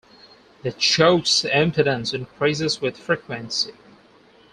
The choke's impedance increases with frequency.